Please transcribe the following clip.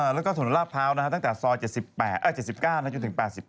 แล้วก็ถนนลาดพร้าวตั้งแต่ซอย๗๙จนถึง๘๙